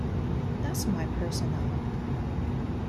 That's my persona.